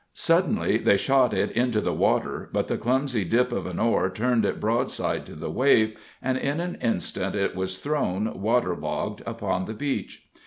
Suddenly they shot it into the water, but the clumsy dip of an oar turned it broadside to the wave, and in an instant it was thrown, waterlogged, upon the beach.